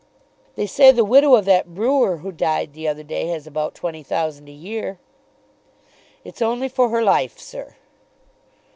"They say the widow of that brewer who died the other day has about twenty thousand a year." "It's only for her life, sir."